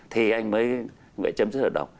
thì anh mới phải chấm dứt hợp đồng